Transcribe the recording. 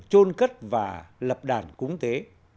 trôn cất và lập đàn cúng tế